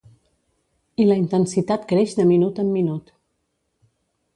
I la intensitat creix de minut en minut.